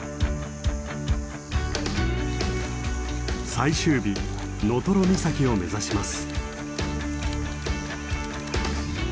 最終日能取岬を目指します。